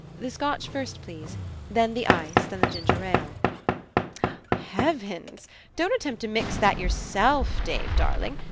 The Scotch first, please. Then the ice, then the ginger ale." "Heavens! Don't attempt to mix that yourself, Dave darling.